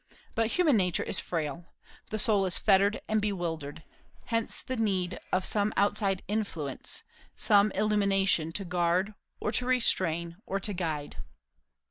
But human nature is frail. The soul is fettered and bewildered; hence the need of some outside influence, some illumination, to guard, or to restrain, or guide.